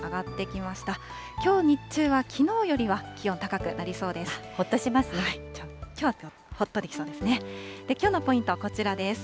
きょう日中は、きのうよりは気温高くなりそうです。